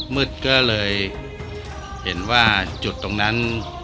มืดก็เลยเห็นว่าจุดตรงนั้น